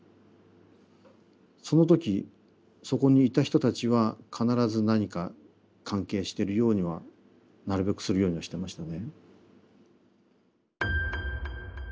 その時そこにいた人たちは必ず何か関係してるようにはなるべくするようにはしてましたね。